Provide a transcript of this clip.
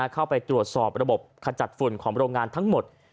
เข้าไปตรวจสอบระบบขจัดฝุ่นของโรงงานทั้งหมด